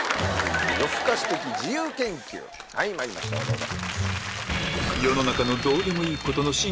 まいりましょうどうぞ。